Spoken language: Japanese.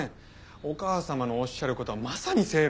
お母様のおっしゃる事はまさに正論！